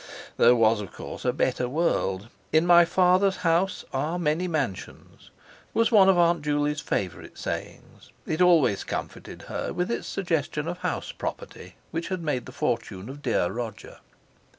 There was, of course, a better world. "In my Father's house are many mansions" was one of Aunt Juley's favourite sayings—it always comforted her, with its suggestion of house property, which had made the fortune of dear Roger.